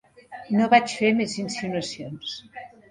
No vaig fer més insinuacions.